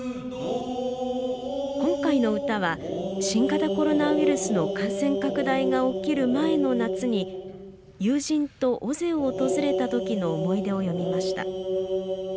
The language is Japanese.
今回の歌は新型コロナウイルスの感染拡大が起きる前の夏に友人と尾瀬を訪れた時の思い出を詠みました。